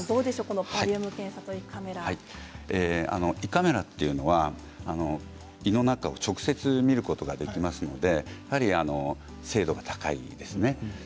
胃カメラというのは胃の中を直接見ることができますのでやはり精度が高いですね。